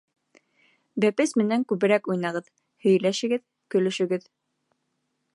Бәпес менән күберәк уйнағыҙ, һөйләшегеҙ, көлөшөгөҙ.